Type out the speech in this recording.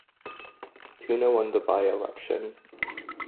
Puna won the by-election.